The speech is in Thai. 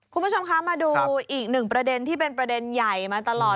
คุณผู้ชมคะมาดูอีกหนึ่งประเด็นที่เป็นประเด็นใหญ่มาตลอด